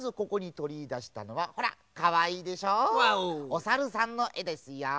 おさるさんのえですよ。